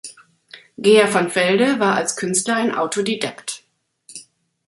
Geer van Velde war als Künstler ein Autodidakt.